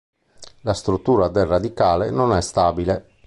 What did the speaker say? La struttura del radicale non è stabile.